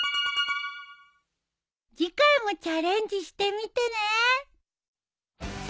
次回もチャレンジしてみてね。